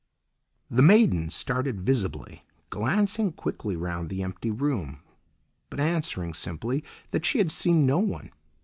The maiden started visibly, glancing quickly round the empty room, but answering simply that she had seen no one.